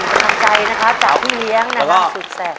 ดูถึงกำลังใจนะครับจากพี่เลี้ยงน่ารักสุดแสดง